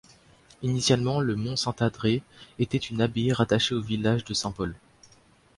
Initialement, Le Mont-Saint-Adrien était une abbaye rattachée au village de Saint-Paul.